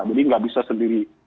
jadi tidak bisa sendiri